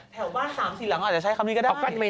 แถวบ้านสามสิล่ำอาจจะใช้คำนี้ก็ได้เอากลั้นไว้เนี่ย